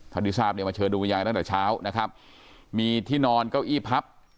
ที่ทราบเนี่ยมาเชิญดูวิญญาณตั้งแต่เช้านะครับมีที่นอนเก้าอี้พับ